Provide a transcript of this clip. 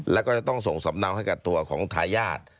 แล้วก็จะต้องส่งสำเนาให้กับตัวของทายาท